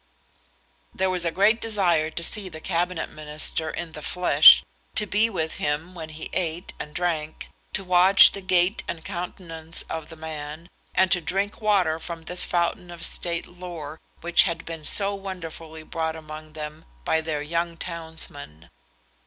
There was a great desire to see the Cabinet Minister in the flesh, to be with him when he ate and drank, to watch the gait and countenance of the man, and to drink water from this fountain of state lore which had been so wonderfully brought among them by their young townsman.